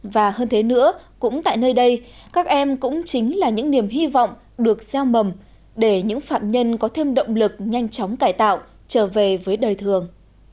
và hơn thế nữa cũng tại nơi đây các em cũng chính là những niềm hy vọng được gieo mầm để những phạm nhân có thêm động lực nhanh chóng cải tạo trở về với đời thường